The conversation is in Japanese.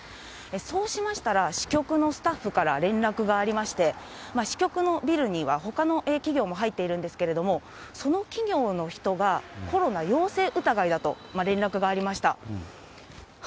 そうしましたら、支局のスタッフから連絡がありまして、支局のビルにはほかの企業も入っているんですけれども、その企業の人がコロナ陽性疑いだと、連絡がありました。